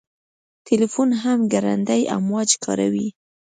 تلیفون هم ګړندي امواج کاروي.